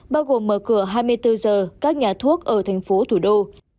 bao gồm mở cửa hai mươi bốn giờ các nhà thuốc ở thành phố thủ đô